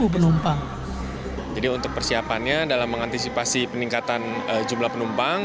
dua puluh satu penumpang jadi untuk persiapannya dalam mengantisipasi peningkatan jumlah penumpang